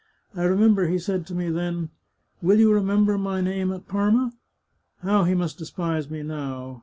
I re member he said to me then, ' Will you remember my name at Parma?' How he must despise me now!